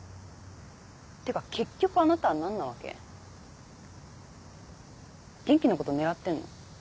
てか結局あなたは何なわけ？元気のこと狙ってんの？